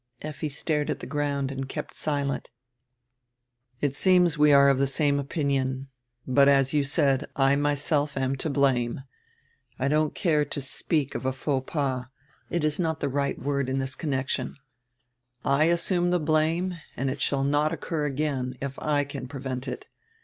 Effi stared at die ground and kept silent. "It seems we are of die same opinion. But, as you said, I myself am to blame. I don't care to speak of a faux pas; it is not die right word in this connection. I assume die blame, and it shall not occur again, if I can prevent it.